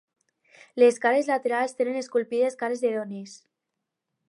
Les cares laterals tenen esculpides cares de dones.